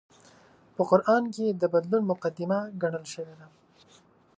په قران کې د بدلون مقدمه ګڼل شوې ده